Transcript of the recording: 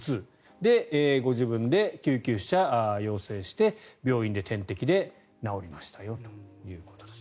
そしてご自分で救急車を呼んで病院で点滴で治りましたよということです。